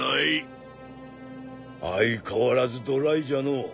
相変わらずドライじゃのう。